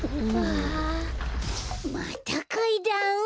またかいだん？